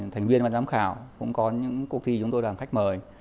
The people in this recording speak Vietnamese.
thành viên và giám khảo cũng có những cuộc thi chúng tôi làm khách mời